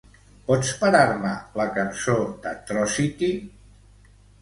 Pots parar-me la cançó d'"Atrocity"?